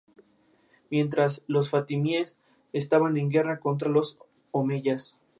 Mientras, los fatimíes estaban en guerra contra los omeyas.